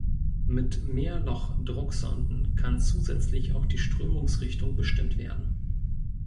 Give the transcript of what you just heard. Mit Mehrloch-Drucksonden kann zusätzlich auch die Strömungsrichtung bestimmt werden.